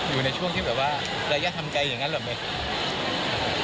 อยู่ในช่วงที่แบบว่าระยะทำใจอย่างนั้นเหรอไหม